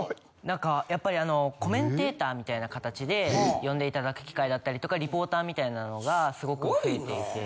なんかやっぱりあのコメンテーターみたいなかたちで呼んでいただく機会だったりとかリポーターみたいなのがすごく増えていて。